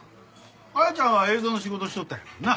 彩ちゃんは映像の仕事しとったんやもんな。